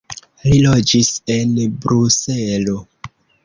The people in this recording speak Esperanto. Li loĝis en Bruselo.